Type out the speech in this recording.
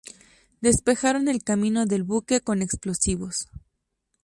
Despejaron el camino del buque con explosivos.